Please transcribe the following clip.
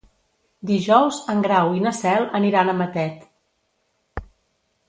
Dijous en Grau i na Cel aniran a Matet.